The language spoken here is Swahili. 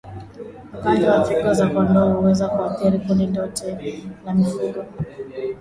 Ugonjwa wa figo za kondoo huweza kuathiri kundi lote la mifugo